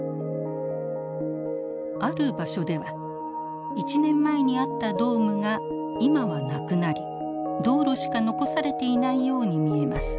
ある場所では１年前にあったドームが今はなくなり道路しか残されていないように見えます。